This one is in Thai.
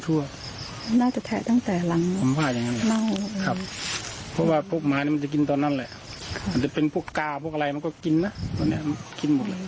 อาจจะเป็นพวกกาพวกอะไรมันก็กินนะตอนนี้มันกินหมดเลย